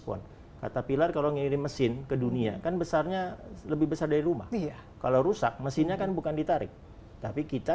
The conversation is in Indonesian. ya caterpillar karena mereka punya mekanisme fast react